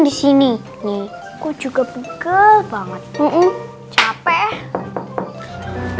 disini nih ku juga pukul banget capek